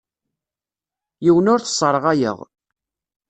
Yiwen ur t-sserɣayeɣ.